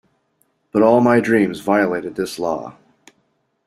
But all my dreams violated this law.